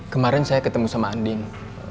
kemarin saya ketemu sama andin